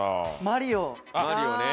マリオね。